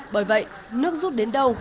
bởi vậy nước rút đến đâu